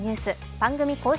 番組公式